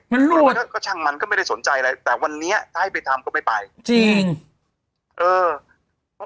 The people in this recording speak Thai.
ไม่รู้ว่าก็ช่างมันก็ไม่ได้สนใจอะไรแต่วันนี้ถ้าให้ไปทำก็ไม่ไปจริงเออ